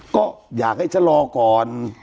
ก็อยากให้ชะลอก่อน